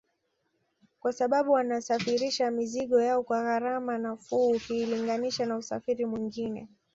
Kwa sababu wanasafirisha mizigo yao kwa gharama nafuu ukilinganisha na usafiri mwingine